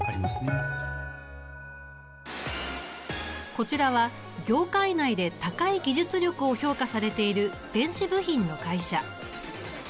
こちらは業界内で高い技術力を評価されている電子部品の会社。